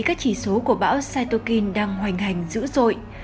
các chỉ số của bão sitokin đang hoành hành dữ dội